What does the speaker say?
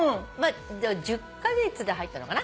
１０カ月で入ったのかな。